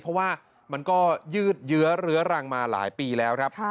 เพราะว่ามันก็ยืดเยื้อเรื้อรังมาหลายปีแล้วครับ